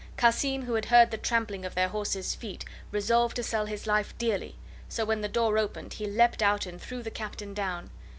Cassim, who had heard the trampling of their horses' feet, resolved to sell his life dearly, so when the door opened he leaped out and threw the Captain down.